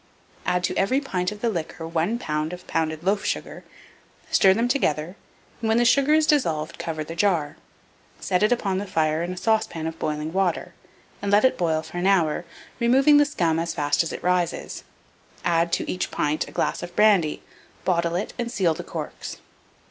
Add to every pint of the liquor 1 lb. of pounded loaf sugar; stir them together, and, when the sugar is dissolved, cover the jar; set it upon the fire in a saucepan of boiling water, and let it boil for an hour, removing the scum as fast as it rises; add to each pint a glass of brandy, bottle it, and seal the corks.